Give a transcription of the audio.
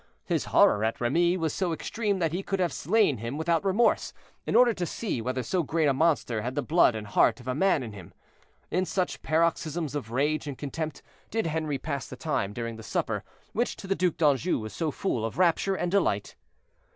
His horror at Remy was so extreme that he could have slain him without remorse, in order to see whether so great a monster had the blood and heart of a man in him. In such paroxysms of rage and contempt did Henri pass the time during the supper, which to the Duc d'Anjou was so full of rapture and delight.